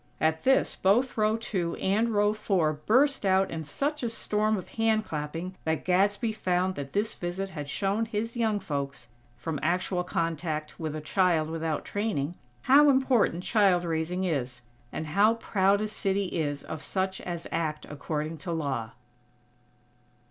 At this both row two and row four burst out in such a storm of hand clapping that Gadsby found that this visit had shown his young folks, from actual contact with a child without training, how important child raising is; and how proud a city is of such as act according to law.